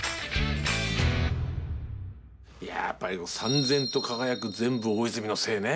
いややっぱりさん然と輝く「全部大泉のせい」ね。